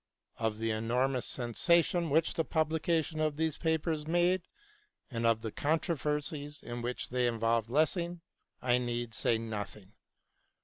Of the enormous sensation which the publication of these papers made and of the controversies in which they involved Lessing I need say nothing.